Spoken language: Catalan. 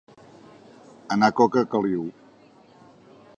Anar coca a caliu.